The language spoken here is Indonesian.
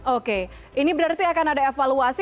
oke ini berarti akan ada evaluasi